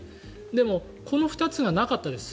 でも、この２つがなかったです